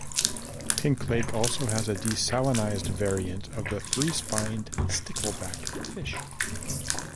Pink Lake also has a desalinized variant of the three-spined stickleback fish.